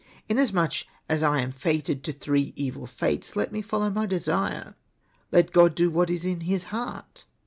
Inasmuch as I am fated to three evil fates^ let me follow my desire. Let God do what is in His heart."